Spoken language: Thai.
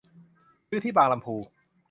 ซื้อที่บางลำภู